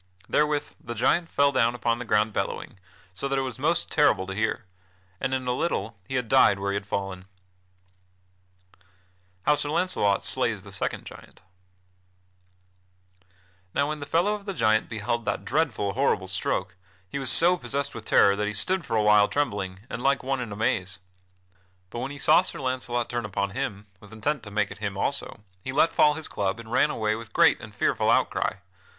Therewith the giant fell down upon the ground bellowing, so that it was most terrible to hear; and in a little he had died where he had fallen. [Sidenote: How Sir Launcelot slays the second giant] Now when the fellow of that giant beheld that dreadful, horrible stroke, he was so possessed with terror that he stood for a while trembling and like one in a maze. But when he saw Sir Launcelot turn upon him with intent to make at him also, he let fall his club and ran away with great and fearful outcry.